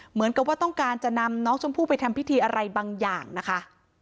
เหมือนกับว่าต้องการจะนำน้องชมพู่ไปทำพิธีอะไรบางอย่างนะคะ